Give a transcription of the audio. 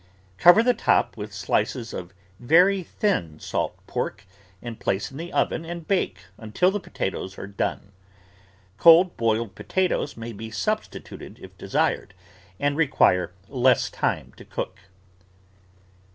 Cover the top with slices of very thin salt pork and place in the oven and bake until the potatoes are done. Cold boiled potatoes may be substituted if desired, and require less time to cook.